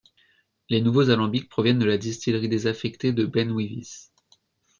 Les nouveaux alambics proviennent de la distillerie désaffectée Ben Wyvis.